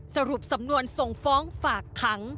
สรุปสำนวนส่งฟ้องฝากขัง